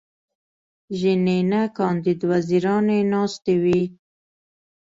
ژینینه کاندید وزیرانې ناستې وې.